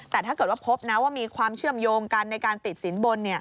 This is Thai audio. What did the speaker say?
แต่ถ้าเกิดว่าพบนะว่ามีความเชื่อมโยงกันในการติดสินบน